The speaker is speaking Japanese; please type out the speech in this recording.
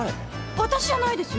わたしじゃないですよ！